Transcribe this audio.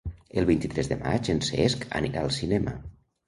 El vint-i-tres de maig en Cesc anirà al cinema.